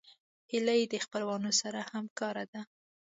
هیلۍ د خپلوانو سره همکاره ده